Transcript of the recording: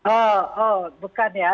oh oh bukan ya